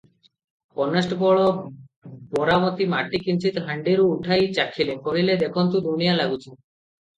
Constable ବରାମଦି ମାଟି କିଞ୍ଚିତ୍ ହାଣ୍ଡିରୁ ଉଠାଇ ଚାଖିଲେ, କହିଲେ, "ଦେଖନ୍ତୁ ଲୁଣିଆ ଲାଗୁଛି ।"